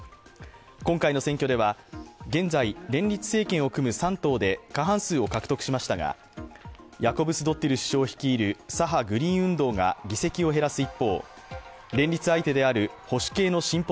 今回の選挙では、現在連立政権を組む３党で過半数を獲得しましたが、ヤコブスドッティル首相率いる左派グリーン運動が議席を減らす一方連立相手である保守系の進歩